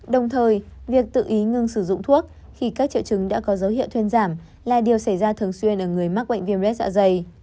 đồng thời việc tự ý ngưng sử dụng thuốc khi các triệu chứng đã có dấu hiệu thuyên giảm là điều xảy ra thường xuyên ở người mắc bệnh viêm lết dạ dày